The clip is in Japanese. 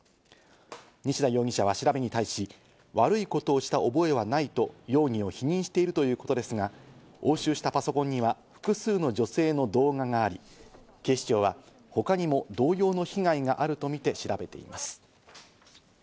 西田容疑者は調べに対し、悪いことをした覚えはないと容疑を否認しているということですが、押収したパソコンには複数の女性の動画があり、警視庁は他にも同様の被害があるとみて調べています。